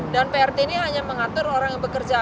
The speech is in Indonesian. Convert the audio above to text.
dan prt ini hanya mengatur orang yang bekerja